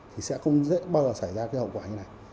thì sẽ không bao giờ xảy ra cái hậu quả như thế này